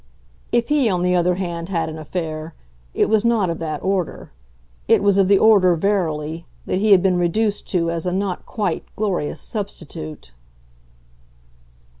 If he, on the other hand, had an affair, it was not of that order; it was of the order, verily, that he had been reduced to as a not quite glorious substitute.